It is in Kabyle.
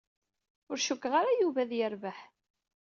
Ur cukkteɣ ara Yuba ad yerbeḥ.